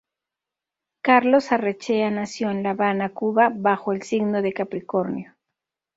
Carlos Arrechea nació en La Habana, Cuba, bajo el signo de Capricornio.